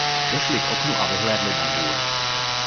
Došli k oknu a vyhlédli na dvůr.